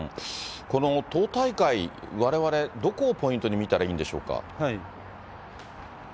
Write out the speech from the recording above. この党大会、われわれどこをポイントに見たらいいんでしょうか。